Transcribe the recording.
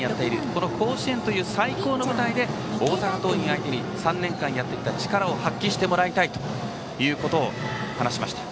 この甲子園という最高の舞台で大阪桐蔭相手に３年間やってきた力を発揮してもらいたいということを話しました。